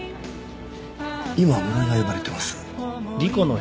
今室井が呼ばれてます。